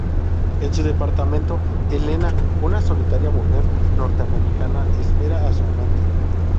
En su departamento, Helena, una solitaria mujer norteamericana, espera a su amante.